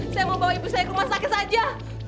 saya mau bawa ibu saya ke rumah sakit saja